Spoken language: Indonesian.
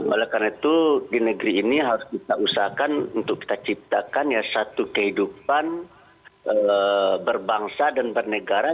oleh karena itu di negeri ini harus kita usahakan untuk kita ciptakan satu kehidupan berbangsa dan bernegara